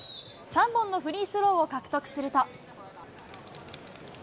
３本のフリースローを獲得すると。